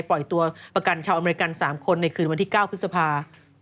ปล่อยตัวประกันชาวอเมริกัน๓คนในคืนวันที่๙พฤษภา